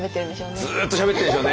ずっとしゃべってるんでしょうね。